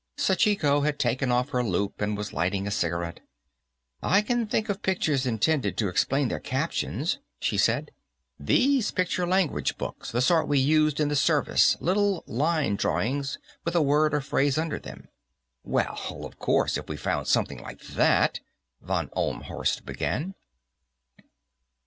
'" Sachiko had taken off her loup and was lighting a cigarette. "I can think of pictures intended to explain their captions," she said. "These picture language books, the sort we use in the Service little line drawings, with a word or phrase under them." "Well, of course, if we found something like that," von Ohlmhorst began.